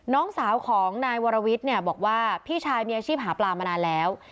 น้องสาวของนายวรวิทย์เนี่ยบอกว่าพี่ชายมีอาชีพหาปลามานานแล้ว